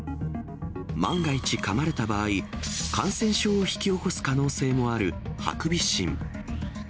万が一、かまれた場合、感染症を引き起こす可能性もあるハクビシン。